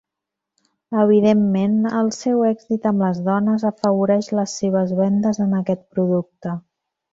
Evidentment, el seu èxit amb les dones afavoreix les seves vendes en aquest producte.